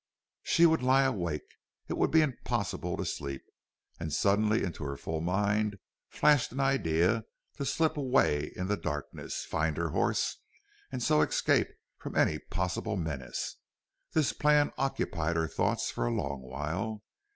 She would lie awake. It would be impossible to sleep. And suddenly into her full mind flashed an idea to slip away in the darkness, find her horse, and so escape from any possible menace. This plan occupied her thoughts for a long while.